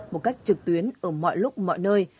một cách trực tuyến ở mọi lúc mọi nơi